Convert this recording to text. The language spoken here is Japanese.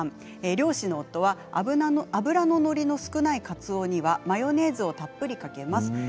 両親の夫は脂の乗りの少ないかつおにはマヨネーズをたっぷりかけます。